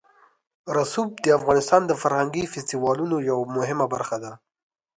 رسوب د افغانستان د فرهنګي فستیوالونو یوه مهمه برخه ده.